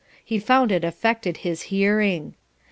He found it affected his hearing.